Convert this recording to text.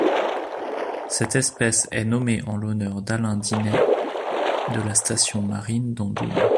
Cette espèce est nommée en l'honneur d'Alain Dinet de la station marine d'Endoume.